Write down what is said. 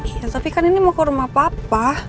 iya tapi kan ini mau ke rumah papa